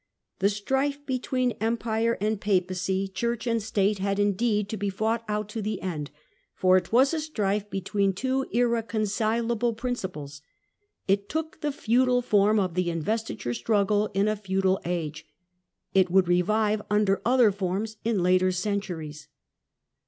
The strife between Empire and Papacy, 96 THE CENTRAL PERIOD OF THE MIDDLE AGE Church and State, had, indeed, to be fought out to the end, for it was a strife between two irreconcilable prin ciples. It took the feudal form of the investiture struggle in a feudal age. It would revive under other forms in later centuries.